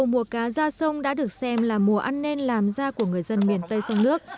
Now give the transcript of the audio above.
mùa cá ra sông đã được xem là mùa ăn nên làm ra của người dân miền tây sông nước